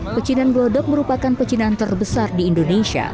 percinan glodok merupakan percinan terbesar di indonesia